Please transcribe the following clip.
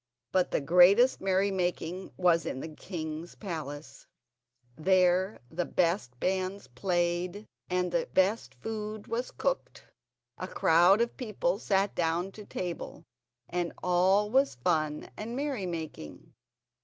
But the greatest merry making was in the king's palace; there the best bands played and the best food was cooked; a crowd of people sat down to table, and all was fun and merry making.